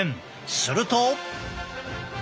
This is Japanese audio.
すると。